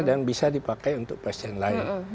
bisa dipakai untuk pasien lain